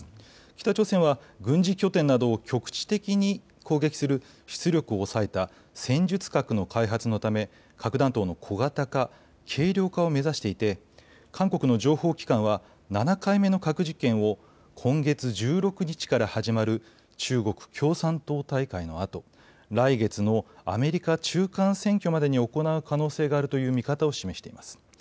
北朝鮮は軍事拠点などを局地的に攻撃する出力を抑えた戦術核の開発のため核弾頭の小型化、軽量化を目指していて韓国の情報機関は７回目の核実験を今月１６日から始まる中国共産党大会のあと来月のアメリカ中間選挙までに行う可能性があるという見方を示しています。